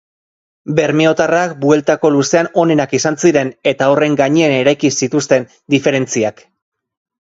Bermeotarrak bueltako luzean onenak izan ziren eta horren gainean eraiki zituzten diferentziak.